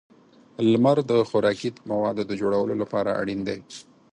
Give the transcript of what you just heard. • لمر د خوراکي موادو د جوړولو لپاره اړین دی.